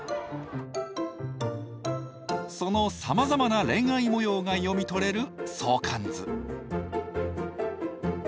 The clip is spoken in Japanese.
そのさまざまな恋愛模様が読み取れる相関図。